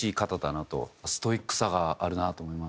ストイックさがあるなと思いましたね。